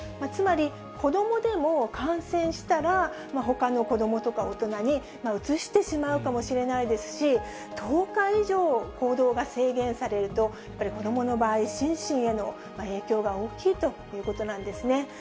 つまり、子どもでも感染したら、ほかの子どもとか大人にうつしてしまうかもしれないですし、１０日以上行動が制限されるとやっぱり子どもの場合、心身への影響が大きいということなんですね。